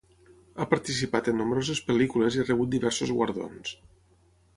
Ha participat en nombroses pel·lícules i ha rebut diversos guardons.